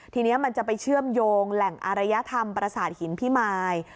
ทีนี้มันจะไปเชื่อมโยงแหล่งอารยธรรมประสาทหินพิมาย